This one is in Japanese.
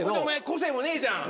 個性もねえじゃん。